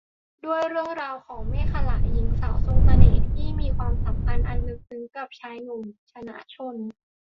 ด้วยเรื่องราวของ เมขลา หญิงสาวทรงเสน่ห์ที่มีความสัมพันธ์อันลึกซึ้งกับชายหนุ่ม ชนะชล